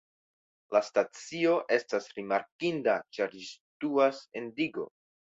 La stacio estas rimarkinda ĉar ĝi situas en digo.